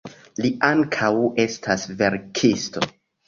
Li ankaŭ estas verkisto.